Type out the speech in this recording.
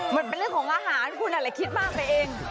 มันเป็นเรื่องของอาหารคุณอะไรคิดมากไปเอง